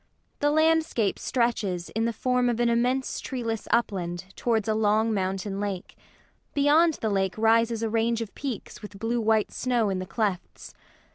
The landscape stretches, in the form of an immense treeless upland, towards a long mountain lake. Beyond the lake rises a range of peaks with blue white snow in the clefts.